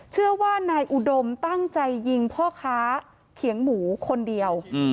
เชื่อว่านายอุดมตั้งใจยิงพ่อค้าเขียงหมูคนเดียว